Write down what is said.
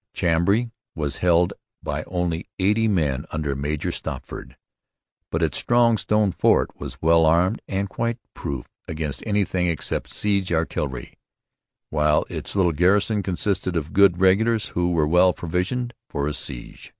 Chambly was held by only eighty men under Major Stopford. But its strong stone fort was well armed and quite proof against anything except siege artillery; while its little garrison consisted of good regulars who were well provisioned for a siege.